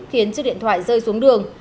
khiến chiếc điện thoại rơi xuống đường